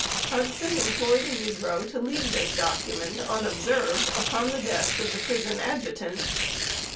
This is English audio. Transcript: Hudson employed a negro to leave this document, unobserved, upon the desk of the prison Adjutant.